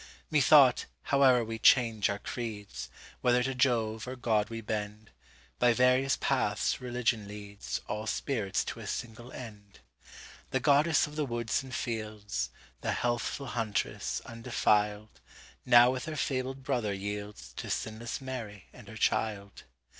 Methought, howe'er we change our creeds, Whether to Jove or God we bend, By various paths religion leadsAll spirits to a single end. The goddess of the woods and fields, The healthful huntress, undefiled, Now with her fabled brother yieldsTo sinless Mary and her Child.